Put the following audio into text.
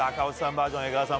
バージョン江川さん